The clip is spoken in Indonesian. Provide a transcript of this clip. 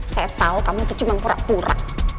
saya tahu kamu itu cuma pura pura